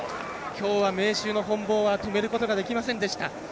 きょうは明秀の本坊は止めることはできませんでした。